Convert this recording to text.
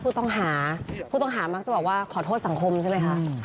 ผู้ต้องหาผู้ต้องหาบอกว่ามีความขอโทษสังคมใช่บะครับ